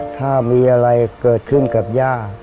ถ้ามีอะไรเกิดขึ้นกับย่า